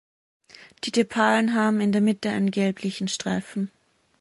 Die Tepalen haben in der Mitte einen gelblichen Streifen.